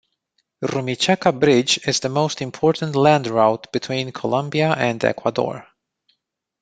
Rumichaca Bridge is the most important land route between Colombia and Ecuador.